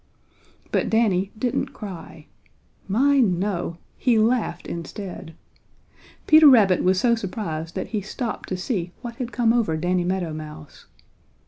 But Danny didn't cry. My, no! He laughed instead. Peter Rabbit was so surprised that he stopped to see what had come over Danny Meadow Mouse.